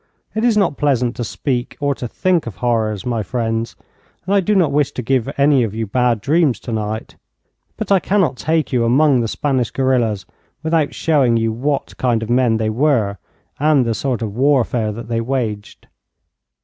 It is not pleasant to speak or to think of horrors, my friends, and I do not wish to give any of you bad dreams tonight but I cannot take you among the Spanish guerillas without showing you what kind of men they were, and the sort of warfare that they waged.